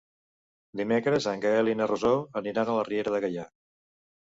Dimecres en Gaël i na Rosó aniran a la Riera de Gaià.